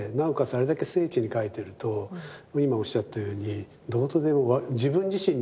あれだけ精緻に描いてると今おっしゃったようにどうとでも自分自身の心持ちが映し出されてしまう。